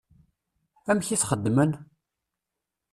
Amek i t-xeddmen?